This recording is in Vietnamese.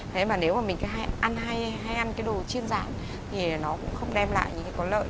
thế mà nếu mà mình cứ ăn hay ăn cái đồ chiên giảm thì nó cũng không đem lại những cái có lợi